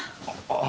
ああ。